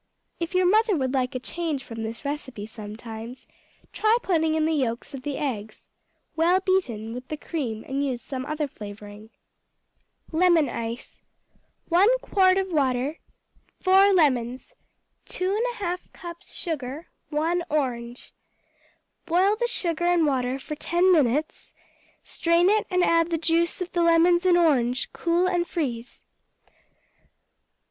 If your mother would like a change from this recipe sometimes, try putting in the yolks of the eggs, well beaten, with the cream, and use some other flavoring. Lemon Ice 1 quart of water. 4 lemons. 2 1/2 cups sugar. 1 orange. Boil the sugar and water for ten minutes; strain it and add the juice of the lemons and orange; cool and freeze.